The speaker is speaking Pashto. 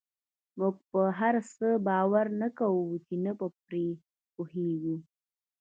موږ پر هغه څه باور نه کوو چې نه پرې پوهېږو.